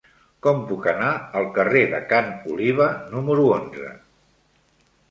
Com puc anar al carrer de Ca n'Oliva número onze?